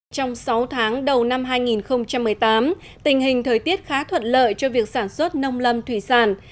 trong sáu tháng đầu năm hai nghìn một mươi tám tình hình thời tiết khá thuận lợi cho việc sản xuất nông lâm thủy sản